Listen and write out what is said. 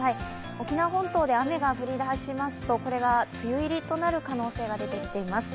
沖縄本島で雨が降りだしますと、これが梅雨入りとなる可能性が出てきています。